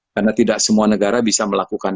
karena tidak semua negara bisa melakukan